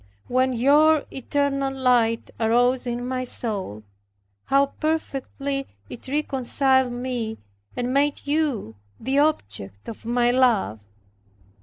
When your eternal light arose in my soul, how perfectly it reconciled me and made you the object of my love!